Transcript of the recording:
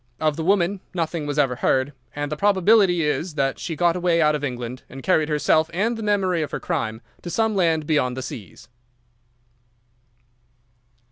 Of the woman nothing was ever heard, and the probability is that she got away out of England and carried herself and the memory of her crime to some land beyond the seas."